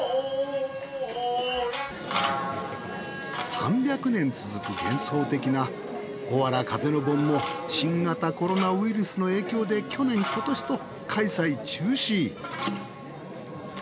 ３００年続く幻想的なおわら風の盆も新型コロナウイルスの影響で去年今年と開催中止。